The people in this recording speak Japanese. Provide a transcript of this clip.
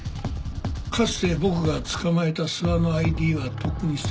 かつて僕が捕まえた諏訪のＩＤはとっくに捨てている。